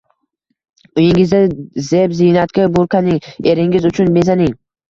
Uyingizda zeb-ziynatga burkaning, eringiz uchun bezaning.